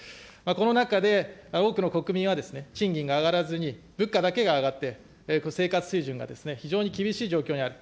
コロナ禍で多くの国民は賃金が上がらずに物価だけが上がって、生活水準が非常に厳しい状況にある。